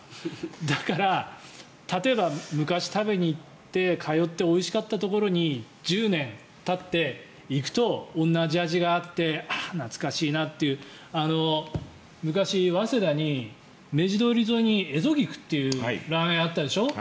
だから例えば、昔、食べに行って通って、おいしかったところに１０年たって行くと同じ味があってああ、懐かしいなっていう昔、早稲田に明治通り沿いにエゾギクというラーメン屋があったでしょ。